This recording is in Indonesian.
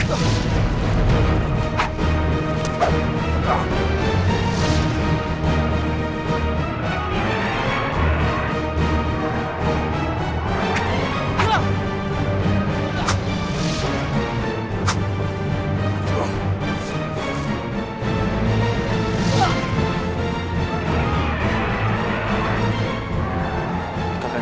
jangan lari anakku